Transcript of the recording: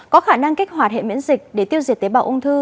có khả năng kích hoạt hệ miễn dịch để tiêu diệt tế bào ung thư